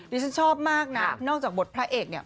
ฉันชอบมากนะนอกจากบทพระเอกเนี่ย